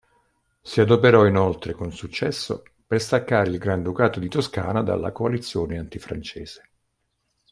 Si adoperò inoltre con successo per staccare il Granducato di Toscana dalla coalizione antifrancese.